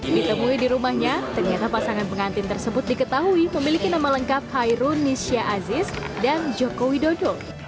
ditemui di rumahnya ternyata pasangan pengantin tersebut diketahui memiliki nama lengkap khairul nisha aziz dan jokowi dodol